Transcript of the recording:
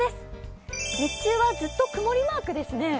日中はずっと曇りマークですね。